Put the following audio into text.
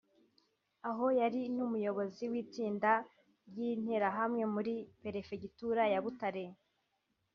aho yari n’umuyobozi w’itsinda ry’Interahamwe muri perefegitura ya Butare